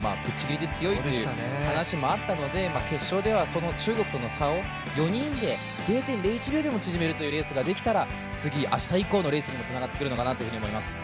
本人の話にもありましたとおり中国がぶっちりぎりで速いという話もあったので決勝ではその中国との差を４人で０．０１秒でも縮めるというレースができたら次、明日以降のレースにもつながってくるのかなと思います。